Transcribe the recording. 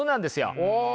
お。